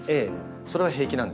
それは平気なんですか？